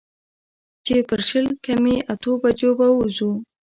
چې پر شل کمې اتو بجو به وځو.